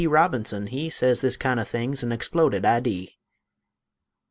Robinson he Sez this kind o' thing's an exploded idee.